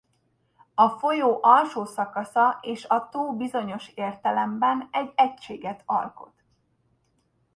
A folyó alsó szakasza és a tó bizonyos értelemben egy egységet alkot.